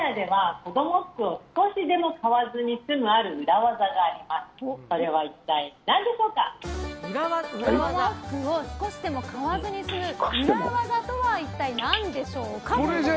子供服を少しでも買わずに済む裏技とは一体何でしょうか。